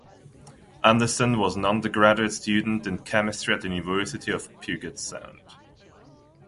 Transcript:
Anderson was an undergraduate student in chemistry at the University of Puget Sound.